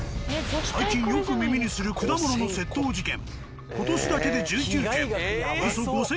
最近よく耳にする果物の窃盗事件。